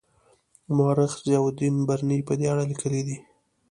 مورخ ضیاالدین برني په دې اړه لیکلي دي.